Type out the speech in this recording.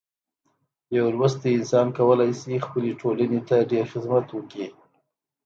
یو لوستی انسان کولی شي خپلې ټولنې ته ډیر خدمت وکړي.